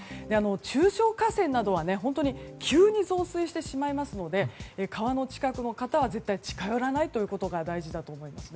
中小河川などは本当に急に増水してしまいますので川の近くの方は絶対に近寄らないことが大事だと思います。